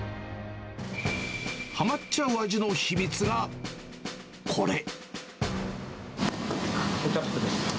はまっちゃう味の秘密がこれ。